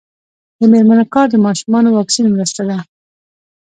د میرمنو کار د ماشومانو واکسین مرسته ده.